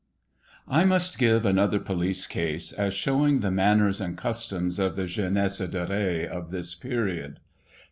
I MUST give another police case, as showing the manners and customs of the jeunesse dork of this period.